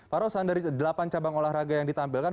pak rosan dari delapan cabang olahraga yang ditampilkan